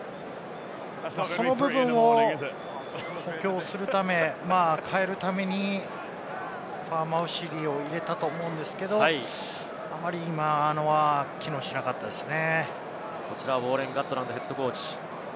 その部分を補強するため、変えるためにファアマウシウリを入れたと思うんですけど、あまり今のは機能しなかったですね。